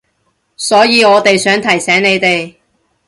所以我哋想提醒你哋